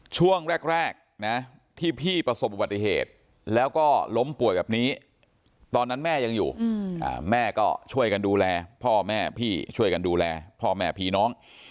ช่วงแรกนะที่พี่ประสบอุบัติเหตุแล้วก็ล้มป่วยแบบนี้ตอนนั้นแม่ยังอยู่แม่ก็ช่วยกันดูแลพ่อแม่พี่ช่วยกันดูแลพ่อแม่พี่น้อง